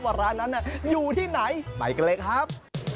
ว่าร้านนั้นอยู่ที่ไหนไปกันเลยครับ